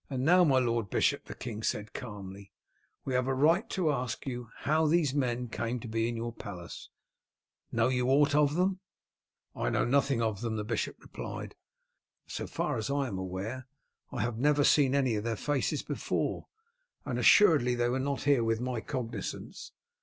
"Now, my lord bishop," the king said calmly, "we have a right next to ask you how these men came to be in your palace. Know you aught of them?" "I know nothing of them," the bishop replied. "So far as I am aware I have never seen any of their faces before, and assuredly they were not here with my cognizance.